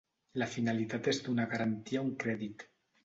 La finalitat és donar garantia a un crèdit.